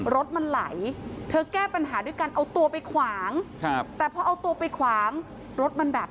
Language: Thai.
รถมันไหลเธอแก้ปัญหาด้วยการเอาตัวไปขวางครับ